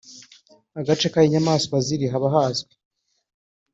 Agace k’aho inyamaswa ziri haba hazwi